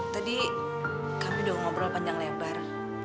tadi kami udah ngobrol panjang lebar